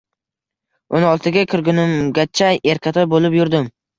O`n oltiga kirgunimgacha erkatoy bo`lib yurdim